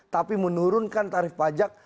tapi menurunkan tarif pajak